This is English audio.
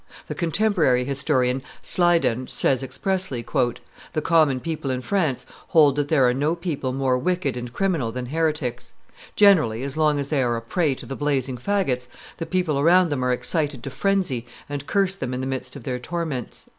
The contemporary historian, Sleidan, says, expressly, "The common people in France hold that there are no people more wicked and criminal that heretics; generally, as long as they are a prey to the blazing fagots, the people around them are excited to frenzy and curse them in the midst of their torments."